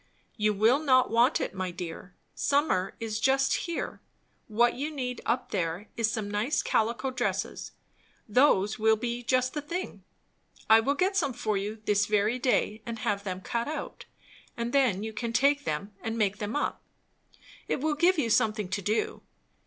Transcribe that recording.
"You will not want it, my dear. Summer is just here; what, you need up there is some nice calico dresses; those will be just the thing. I will get some for you this very day, and have them cut out; and then you can take them and make them up. It will give you something to do.